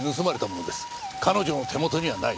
彼女の手元にはない。